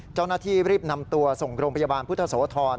เจ้าหน้าที่รีบนำตัวส่งโรงพยาบาลพุทธโสธร